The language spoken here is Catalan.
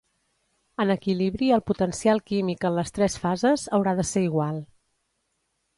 En equilibri el potencial químic en les tres fases haurà de ser igual.